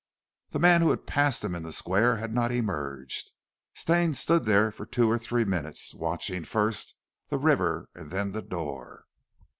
The man who had passed him in the Square had not emerged. Stane stood there for two or three minutes watching first the river and then the door.